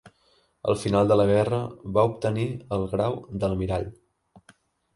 Al final de la guerra va obtenir el grau d'almirall.